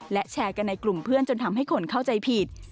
และแชร์กันในกลุ่มเพื่อนจนทำให้คนเข้าใจผิด